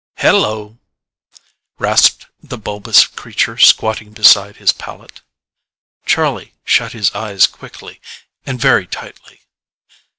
"Hel lo!" rasped the bulbous creature squatting beside his pallet. Charlie shut his eyes quickly, and very tightly.